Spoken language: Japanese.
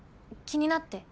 気になって。